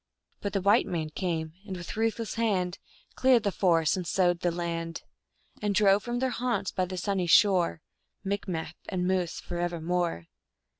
139 But the white man came, and with ruthless hand Cleared the forests and sowed the land, And drove from their haunts by the sunny shore Micmac and moose, forevermore.